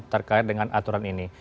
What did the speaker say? terkait dengan aturan ini